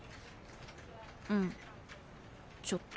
うんちょっと。